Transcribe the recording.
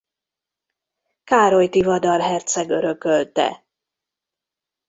Károly Tivadar herceg örökölte.